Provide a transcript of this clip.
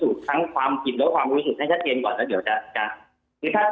ที่มันชัดก็ว่าเรามีรายงานจากแพทย์